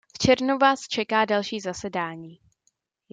V červnu vás čeká další zasedání.